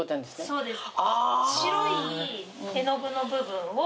そうです。